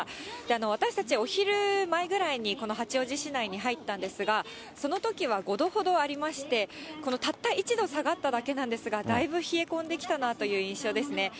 私たち、お昼前ぐらいにこの八王子市内に入ったんですが、そのときは５度ほどありまして、このたった１度下がっただけなんですが、だいぶ冷え込んできたなという印象ですね。